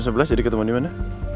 jadi ketemu di mana